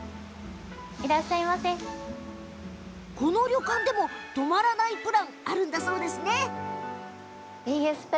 この旅館でも泊まらないプランあるんですよね。